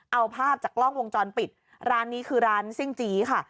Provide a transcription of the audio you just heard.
เอาภาพจากกล้องวงจรปิดร้านนี้คือร้านซิ่งจี้ค่ะ